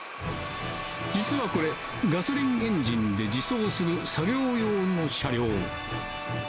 実はこれ、ガソリンエンジンで自走する作業用の車両。